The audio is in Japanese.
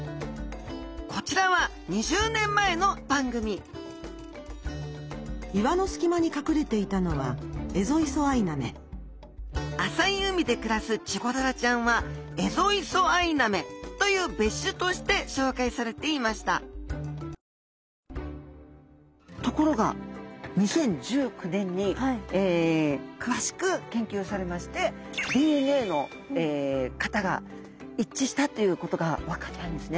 こちらは２０年前の番組岩の隙間に隠れていたのは浅い海で暮らすチゴダラちゃんはエゾイソアイナメという別種として紹介されていましたところが２０１９年に詳しく研究されましてＤＮＡの型が一致したということが分かったんですね。